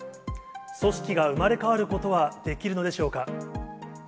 組織が生まれ変わることはできるのでしょうか。